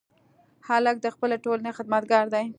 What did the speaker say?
هلک د خپلې ټولنې خدمتګار دی.